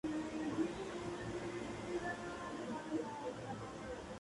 La escena emitida en slow-motion fue descrita como muy bien animada.